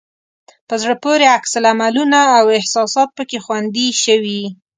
په زړه پورې عکس العملونه او احساسات پکې خوندي شوي.